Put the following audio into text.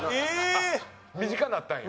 短なったんや。